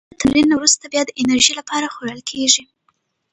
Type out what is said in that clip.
کېله د تمرین نه وروسته د بیا انرژي لپاره خوړل کېږي.